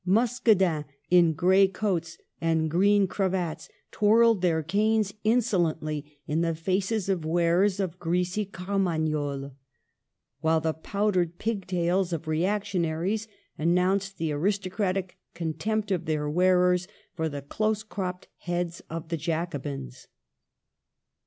Muscadins in gray coats and green cravats twirled their canes insolently in the faces of wearers of greasy carmagnoles ; while the powdered pigtails of reactionaries announced the aristocratic contempt of their wearers for the close cropped heads of the Jacobins.